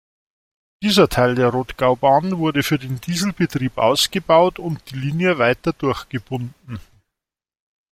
Dieser Teil der Rodgaubahn wurde für den Dieselbetrieb ausgebaut und die Linie weiter durchgebunden.